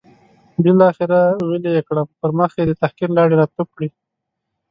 بالاخره ویلې یې کړم، پر مخ یې د تحقیر لاړې را توف کړې.